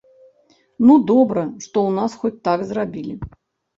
Ну, добра, што ў нас хоць так зрабілі.